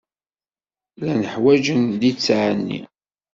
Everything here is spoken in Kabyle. Llan ḥwaǧen litteɛ-nni.